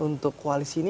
untuk koalisi ini